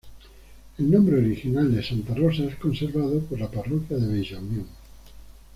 El nombre original de Santa Rosa es conservado por la parroquia de Bella Unión.